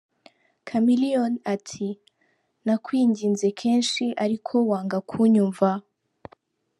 Chameleone ati “Nakwinginze kenshi ariko wanga kunyumva.